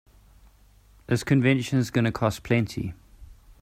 This convention's gonna cost plenty.